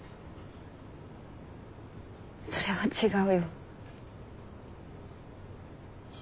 それは違うよ。